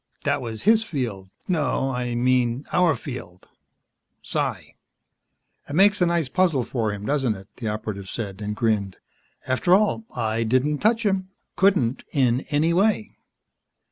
"That was his field. No, I mean our field. Psi." "It makes a nice puzzle for him, doesn't it?" the Operative said, and grinned. "After all, I didn't touch him couldn't, in any way.